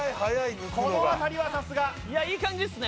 このあたりはさすがいい感じですね